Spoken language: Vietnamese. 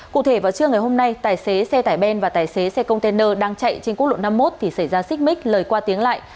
cụ thể vào trưa ngày hôm nay tài xế xe tải ben và tài xế xe container đang chạy trên quốc lộ năm mươi một thì xảy ra xích mích lời qua tiếng lại